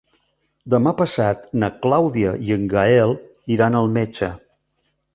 Demà passat na Clàudia i en Gaël iran al metge.